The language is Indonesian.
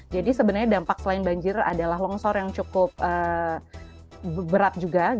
jadi sebenarnya dampak selain banjir adalah longsor yang cukup berat juga